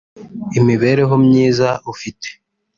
imibereho myiza ufite